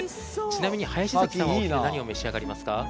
ちなみに林崎さんはお昼、何を召し上がりますか？